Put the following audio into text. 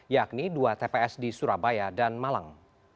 yakni dua tps di surabaya dan malang